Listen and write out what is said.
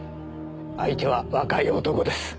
相手は若い男です。